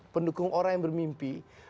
pendukung orang yang bermimpi